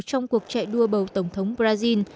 trong cuộc chạy đua bầu tổng thống brazil